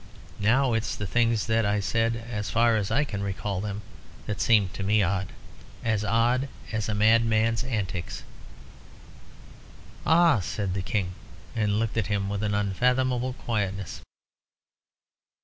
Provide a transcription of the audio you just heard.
Now it's the things that I said, as far as I can recall them, that seem to me odd as odd as a madman's antics." "Ah!" said the King; and looked at him with an unfathomable quietness.